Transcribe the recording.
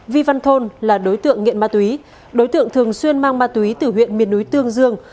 vi văn thôn là đối tượng nghiện ma túy đối tượng thường xuyên mang ma túy từ huyện miền núi tương dương